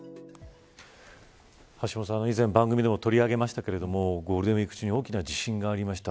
橋下さん、以前番組でも取り上げましたけれどもゴールデンウイーク中に大きな地震がありました。